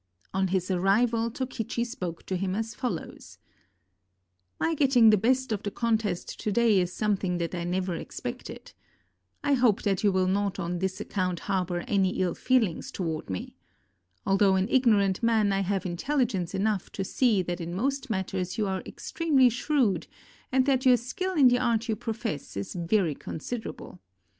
On his arrival Tokichi spoke to him as follows: "My getting the best of the contest to day is something that I never expected. I hope that you will not on this ac count harbor any ill feelings toward me. Although an ignorant man, I have intelligence enough to see that in most matters you are extremely shrewd and that your skill in the art you profess is very considerable.